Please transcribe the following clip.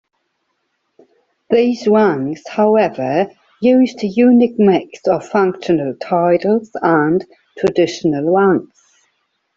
These ranks, however, used a unique mix of functional titles and traditional ranks.